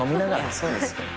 そうですね。